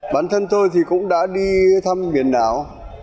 bản thân tôi thì cũng đã đi thăm biển đảo